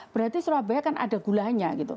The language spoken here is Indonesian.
berarti surabaya kan ada gulanya gitu